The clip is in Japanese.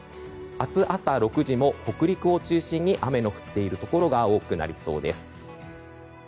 明日朝６時も北陸を中心に雨の降っているところが多くなりそうです。